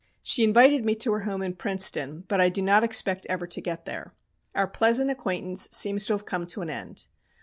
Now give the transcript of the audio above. She invited me to her home in Princeton, but I do not expect ever to get there. Our pleasant acquaintance seems to have come to an end.